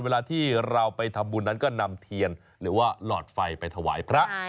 เวลาที่เราไปทำบุญนั้นก็นำเทียนหรือว่าหลอดไฟไปถวายพระ